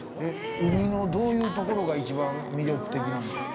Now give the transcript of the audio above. ◆海のどういうところが一番魅力的なんですか。